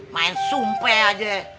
main sumpah aja